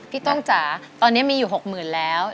พี่ต้องจ๋าตอนนี้มีอยู่หกหมื่นแล้ว